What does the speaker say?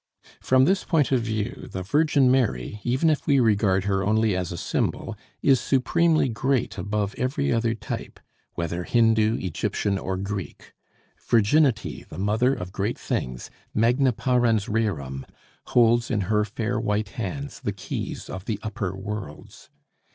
From this point of view the Virgin Mary, even if we regard her only as a symbol, is supremely great above every other type, whether Hindoo, Egyptian, or Greek. Virginity, the mother of great things, magna parens rerum, holds in her fair white hands the keys of the upper worlds.